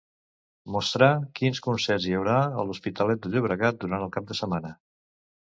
Mostrar quins concerts hi haurà a l'Hospitalet de Llobregat durant el cap de setmana.